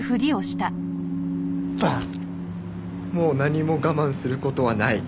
もう何も我慢する事はない。